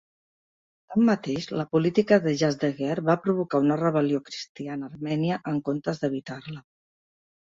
Tanmateix, la política de Yazdegerd va provocar una rebel·lió cristiana a Armènia, en comptes d'evitar-la.